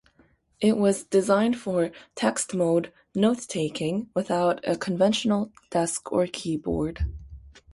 It was designed for text-mode note-taking without a conventional desk or keyboard.